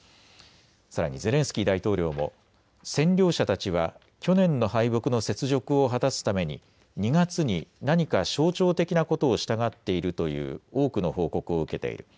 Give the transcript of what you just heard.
さらにゼレンスキー大統領も占領者たちは去年の敗北の雪辱を果たすために２月に何か象徴的なことをしたがっているという多くの報告を受けている。